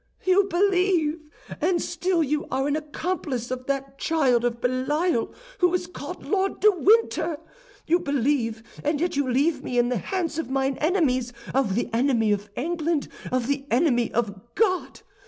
"You believe, and still you are an accomplice of that child of Belial who is called Lord de Winter! You believe, and yet you leave me in the hands of mine enemies, of the enemy of England, of the enemy of God!